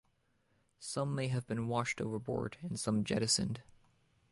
Some may have been washed overboard and some jettisoned.